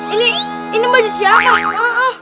ini ini baju siapa